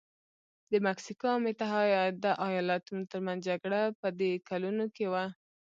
د مکسیکو او متحده ایالتونو ترمنځ جګړه په دې کلونو کې وه.